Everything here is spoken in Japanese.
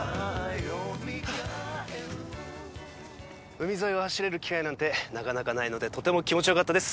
海沿いを走れる機会なんてなかなかないので、とても気持ちよかったです。